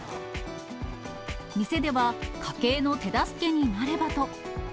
店では、家計の手助けになればと。